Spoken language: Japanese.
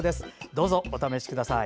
どうぞお試しください。